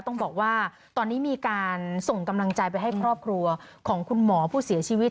ต้องบอกว่าตอนนี้มีการส่งกำลังใจไปให้ครอบครัวของคุณหมอผู้เสียชีวิต